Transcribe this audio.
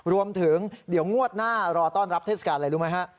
รวมถึงเดี๋ยวงวดหน้ารอต้อนรับเทศกาลอะไรรู้ไหมฮะ